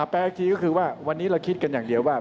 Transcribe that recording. แปลอีกทีก็คือว่าวันนี้เราคิดกันอย่างเดียวว่า